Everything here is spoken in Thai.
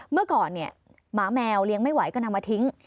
เมื่อก่อนเนี่ยหมาแมวเลี้ยงไม่ไหวก็นำมาทิ้ง